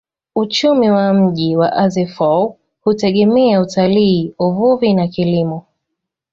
Uchumi wa mji wa Azeffou hutegemea utalii, uvuvi na kilimo.